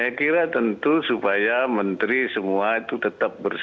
saya kira tentu supaya menteri semua itu tetap bersama